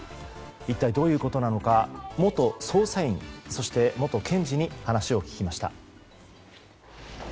一体どういうことなのか元捜査員そして元検事に話を聞きました。